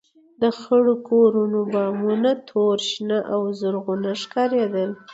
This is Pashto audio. د خړو کورونو بامونه تور، شنه او زرغونه ښکارېدل.